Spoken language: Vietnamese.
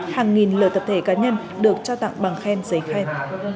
hàng nghìn lời tập thể cá nhân được trao tặng bằng khen giấy khen